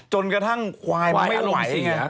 จนกระทั่งควายมันไม่ไหวไงฮะ